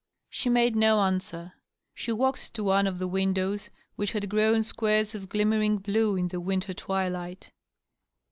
She made no answer. She walked to one of the windows, which had grown squares of glimmering blue in the winter twilight.